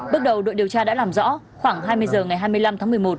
bước đầu đội điều tra đã làm rõ khoảng hai mươi h ngày hai mươi năm tháng một mươi một